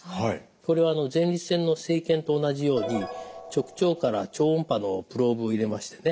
これは前立腺の生検と同じように直腸から超音波のプローブを入れましてね